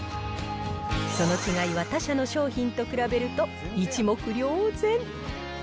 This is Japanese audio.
その違いは他社の商品と比べると、一目瞭然。